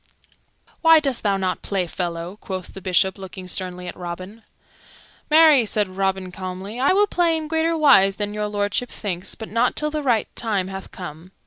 "Why dost thou not play, fellow?" quoth the Bishop, looking sternly at Robin. "Marry," said Robin calmly, "I will play in greater wise than Your Lordship thinks, but not till the right time hath come."